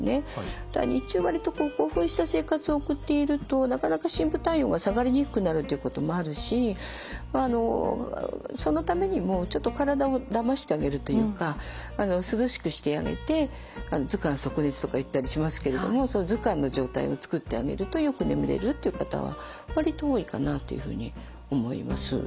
だから日中割と興奮した生活を送っているとなかなか深部体温が下がりにくくなるっていうこともあるしそのためにもちょっと体をだましてあげるというか涼しくしてあげて「頭寒足熱」とか言ったりしますけれどもその頭寒の状態を作ってあげるとよく眠れるっていう方は割と多いかなっていうふうに思います。